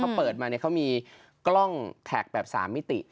เขาเปิดมาเนี่ยเขามีกล้องแท็กแบบ๓มิติ